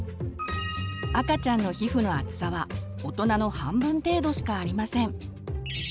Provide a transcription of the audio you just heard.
赤ちゃんの皮膚の厚さはおとなの半分程度しかありません。